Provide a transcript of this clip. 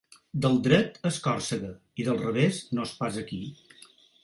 Del dret és Còrsega i del revés no és pas aquí.